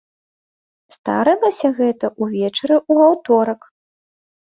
Здарылася гэта ўвечары ў аўторак.